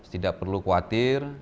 tidak perlu khawatir